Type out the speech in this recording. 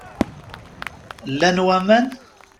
Llan waman?